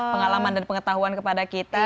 pengalaman dan pengetahuan kepada kita